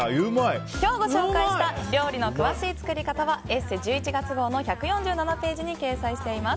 今日ご紹介した料理の詳しい作り方は「ＥＳＳＥ」１１月号の１４７ページに掲載されています。